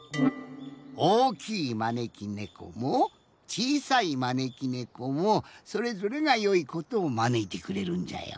おおきいまねきねこもちいさいまねきねこもそれぞれがよいことをまねいてくれるんじゃよ。